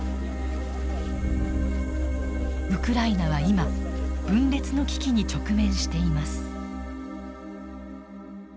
ウクライナは今分裂の危機に直面しています。